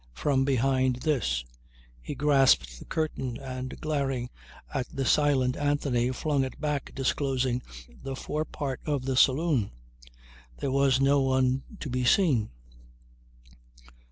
"From behind this." He grasped the curtain and glaring at the silent Anthony flung it back disclosing the forepart of the saloon. There was on one to be seen.